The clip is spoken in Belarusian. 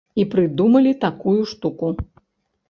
І прыдумалі такую штуку.